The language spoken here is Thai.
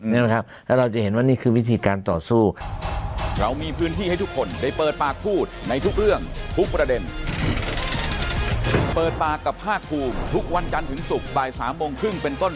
นะครับแล้วเราจะเห็นว่านี่คือวิธีการต่อสู้